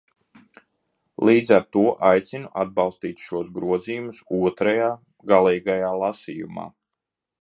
Līdz ar to aicinu atbalstīt šos grozījumus otrajā, galīgajā, lasījumā!